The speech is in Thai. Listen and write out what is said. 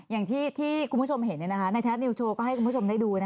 อย่างที่คุณผู้ชมเห็นในไทยรัฐนิวโชว์ก็ให้คุณผู้ชมได้ดู